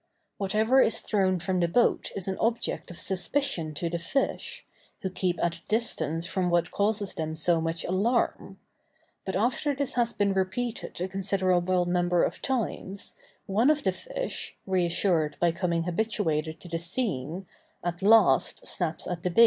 Whatever is thrown from the boat is an object of suspicion to the fish, who keep at a distance from what causes them so much alarm; but after this has been repeated a considerable number of times, one of the fish, reassured by becoming habituated to the scene, at last snaps at the bait.